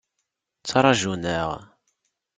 Ttrajun-aɣ.